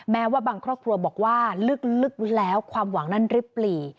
แม้ว่าบางครอบครัวบอกว่าลึกแล้วความหวังนั้นริบหลี